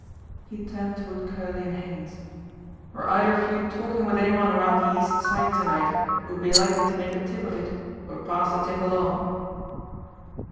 He turned toward Curley and Haines. "Were either of you talking with any one around the East Side to night who would be likely to make a tip of it, or pass the tip along?"